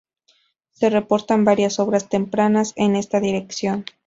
Se reportan varias obras tempranas en esta dirección.